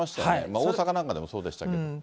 大阪なんかでもそうでしたけど。